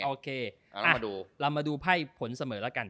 เรามาดูไพ่ผลเสมอแล้วกัน